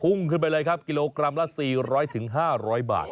ขึ้นไปเลยครับกิโลกรัมละ๔๐๐๕๐๐บาท